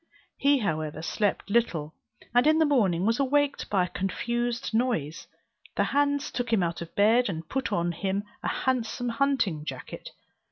He however slept little, and in the morning was awaked by a confused noise. The hands took him out of bed, and put on him a handsome hunting jacket.